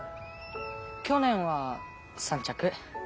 去年は３着。